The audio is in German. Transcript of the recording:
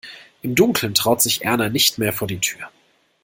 Im Dunkeln traut sich Erna nicht mehr vor die Tür.